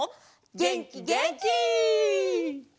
げんきげんき！